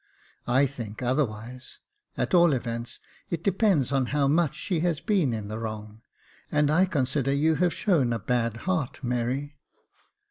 " I think otherwise ; at all events, it depends on how much she has been in the wrong, and I consider you have shown a bad heart, Mary."